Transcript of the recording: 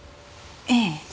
ええ。